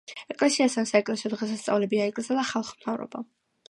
ეკლესიასთან საეკლესიო დღესასწაულებში აიკრძალა ხალხმრავლობა.